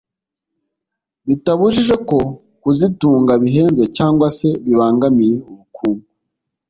bitabujije ko kuzitunga bihenze cyangwa se bibangamiye ubukungu